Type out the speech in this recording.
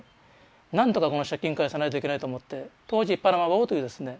なんとかこの借金返さないといけないと思って当時パナマ帽というですね